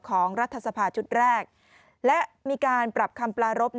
รัฐสภาชุดแรกและมีการปรับคำปลารบ